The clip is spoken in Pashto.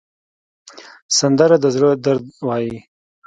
سندره د زړه درد وایي